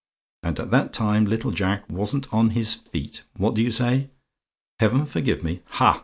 And at that time little Jack wasn't on his feet. What do you say? "HEAVEN FORGIVE ME? "Ha!